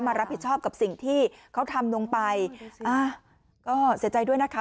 รับผิดชอบกับสิ่งที่เขาทำลงไปอ่าก็เสียใจด้วยนะคะ